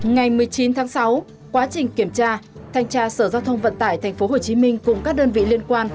ngày một mươi chín tháng sáu quá trình kiểm tra thanh tra sở giao thông vận tải tp hcm cùng các đơn vị liên quan